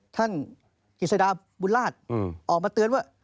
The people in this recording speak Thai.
ท่านหิศดาบุญราชออกมาเตือนว่า